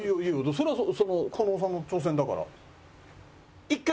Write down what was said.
それは狩野さんの挑戦だから。